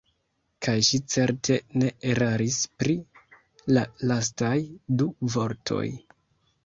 Kaj ŝi certe ne eraris pri la lastaj du vortoj.